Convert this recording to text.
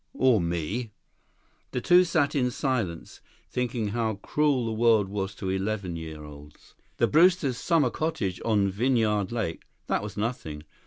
"Or me?" The two sat in silence, thinking how cruel the world was to eleven year olds. The Brewsters' summer cottage on Vineyard Lake—that was nothing.